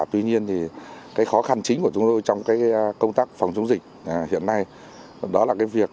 tuy nhiên khó khăn chính của chúng tôi trong công tác phòng chống dịch hiện nay đó là việc